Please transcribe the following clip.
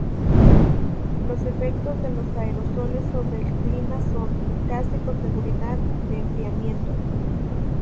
Los efectos de los aerosoles sobre el clima son, casi con seguridad, de enfriamiento.